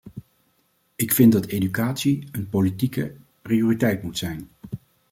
Ik vind dat educatie een politieke prioriteit moet zijn.